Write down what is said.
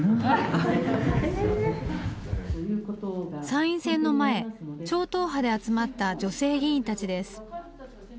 参院選の前超党派で集まった女性議員たちです。